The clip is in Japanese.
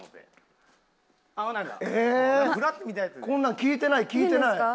こんなん聞いてない聞いてない！